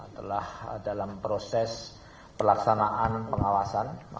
telah dalam proses pelaksanaan pengawasan